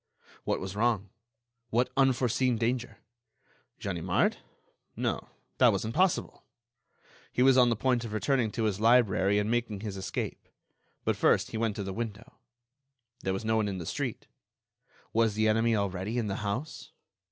What was wrong? What unforeseen danger? Ganimard? No; that wasn't possible! He was on the point of returning to his library and making his escape. But, first, he went to the window. There was no one in the street. Was the enemy already in the house?